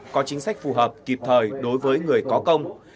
có chính sách phù hợp kịp thời đối với người có công